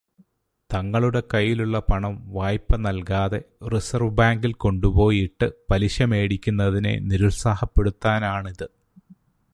തങ്ങളുടെ കൈയ്യിലുള്ള പണം വായ്പ നൽകാതെ റിസർവ്വ് ബാങ്കിൽ കൊണ്ടുപോയി ഇട്ട് പലിശ മേടിക്കുന്നതിനെ നിരുത്സാഹപ്പെടുത്താനാണിത്.